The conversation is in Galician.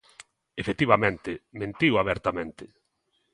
Efectivamente, mentiu abertamente.